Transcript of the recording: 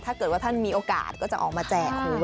ถ้าเกิดว่าท่านมีโอกาสก็จะออกมาแจกคุณ